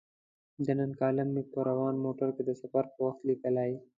د نن کالم مې په روان موټر کې د سفر پر وخت لیکلی.